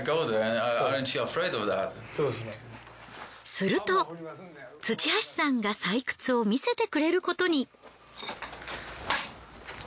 すると土橋さんが採掘を見せてくれることに。